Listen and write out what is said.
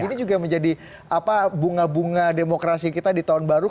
ini juga menjadi bunga bunga demokrasi kita di tahun baru